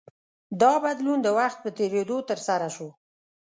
دا بدلون د وخت په تېرېدو ترسره شو.